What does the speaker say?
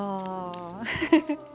フフフッ。